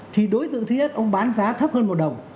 thì đối tượng thứ nhất ông bán giá thấp hơn một đồng